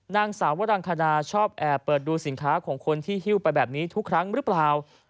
นางสาววรังคณาชอบแอบเปิดดูสินค้าของคนที่ฮิ้วไปแบบนี้ทุกครั้งหรือเปล่า